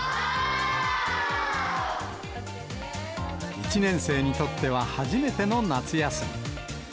１年生にとっては初めての夏休み。